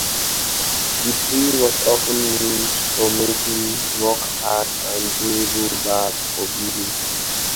The tree was often used for making rock-hard and durable bars for building.